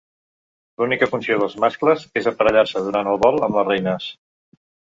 L'única funció dels mascles és aparellar-se durant el vol amb les reines.